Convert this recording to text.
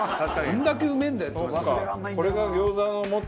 どんだけうめえんだよって。